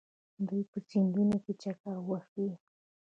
دوی په سیندونو کې چکر وهي.